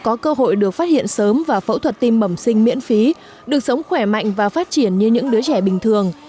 có cơ hội được phát hiện sớm và phẫu thuật tim bẩm sinh miễn phí được sống khỏe mạnh và phát triển như những đứa trẻ bình thường